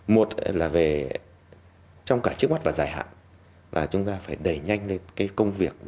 một là trong cả trước mắt và dài hạn là chúng ta phải đẩy nhanh lên công việc